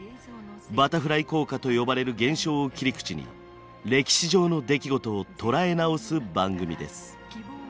バタフライ効果と呼ばれる現象を切り口に歴史上の出来事を捉え直す番組です。